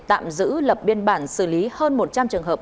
tạm giữ lập biên bản xử lý hơn một trăm linh trường hợp